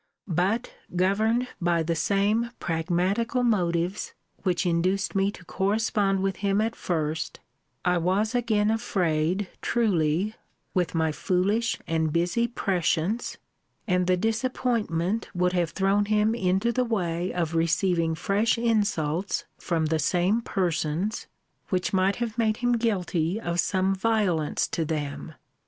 But, governed by the same pragmatical motives which induced me to correspond with him at first, I was again afraid, truly, with my foolish and busy prescience; and the disappointment would have thrown him into the way of receiving fresh insults from the same persons; which might have made him guilty of some violence to them.